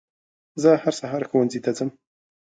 زه هر سهار ښوونځي ته ځم.